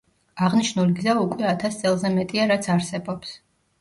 აღნიშნული გზა უკვე ათას წელზე მეტია რაც არსებობს.